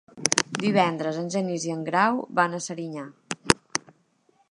Divendres en Genís i en Grau van a Serinyà.